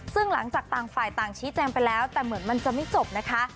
ซึ่งหลังจากต่างฝ่ายต่างชี้แจงไปแล้วแต่เหมือนมันจะไม่จบนะคะ